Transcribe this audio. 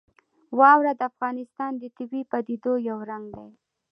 واوره د افغانستان د طبیعي پدیدو یو رنګ دی.